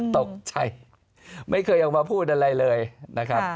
ตกใจไม่เคยออกมาพูดอะไรเลยนะครับ